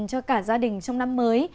cho cả gia đình trong năm mới